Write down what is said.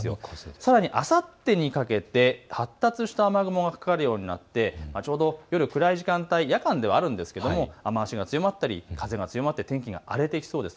さらに、あさってにかけて発達した雨雲がかかるようになって、ちょうど夜暗い時間帯、夜間ではあるんですけれども雨足が強まったり風が強まって天気が荒れてきそうです。